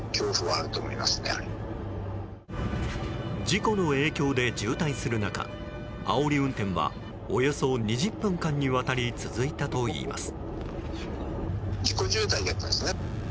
事故の影響で渋滞する中あおり運転はおよそ２０分間にわたり続いたといいます。